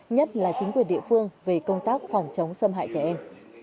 nhất là chính quyền địa phương về công tác phòng chống xâm hại trẻ em